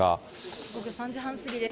午後３時半過ぎです。